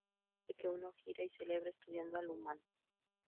Se dice que uno gira y celebra estudiando al humano.